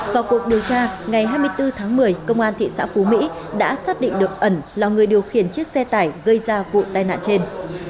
vào cuộc điều tra ngày hai mươi bốn tháng một mươi công an thị xã phú mỹ đã xác định được ẩn là người điều khiển chiếc xe tải gây ra vụ tai nạn trên